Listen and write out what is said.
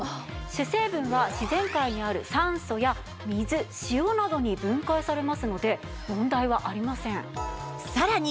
主成分は自然界にある酸素や水塩などに分解されますので問題はありません。